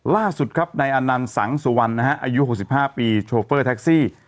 ล่าสุดครับนายอนันต์สังสุวรรณนะฮะอายุ๖๕ปีโชเฟอร์แท็กซี่